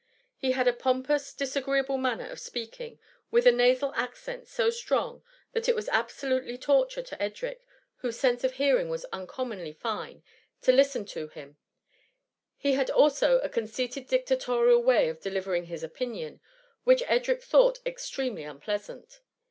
He had a pompous disagreeable manner of speak ing, with a nasal accent so strong, that it was absolutely torture to Edric^ whose sense of hearing was uncommonly fine, to listen to him ; he had also a conceited dictatorial wav of delivering his opinion, which Edric thought ex tremely unpleasant.